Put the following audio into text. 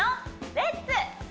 「レッツ！